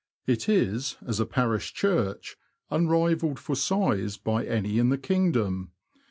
It is, as a parish church, unrivalled for size by any in the king dom.